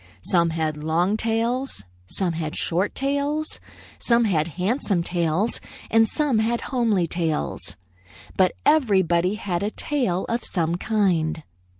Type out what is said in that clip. Some had long tails; some had short tails; some had handsome tails and some had homely tails; but everybody had a tail of some kind.